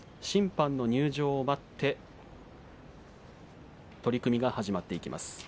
審判の入場を待って取組が始まっていきます。